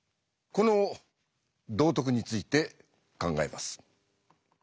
この道徳について考えます。